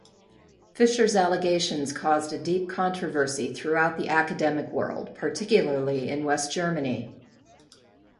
Fischer's allegations caused a deep controversy throughout the academic world, particularly in West Germany.